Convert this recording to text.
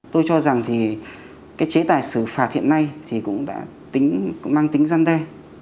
tôi cho rằng cái chế tài xử phạt hiện nay cũng mang tính gian đe